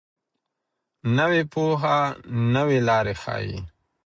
نوې پوهه نوې لارې ښيي.